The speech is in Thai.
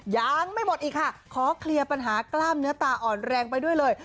ยังไม่หมดอีกค่ะขอเคลียร์ปัญหากล้ามเนื้อตาอ่อนแรงไปด้วยเลย